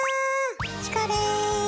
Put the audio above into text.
チコです。